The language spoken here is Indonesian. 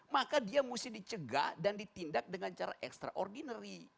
maka dia mesti dicegah dan ditindak dengan cara extraordinary